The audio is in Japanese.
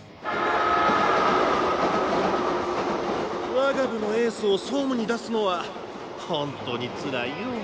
我が部のエースを総務に出すのはほんとにつらいよ。